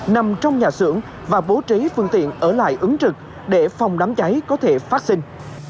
nằm trong nhà xưởng và bố trí phương tiện ở lại ứng trực để phòng đám cháy có thể phát sinh